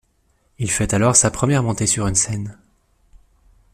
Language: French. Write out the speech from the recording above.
Il fait alors sa première montée sur une scène.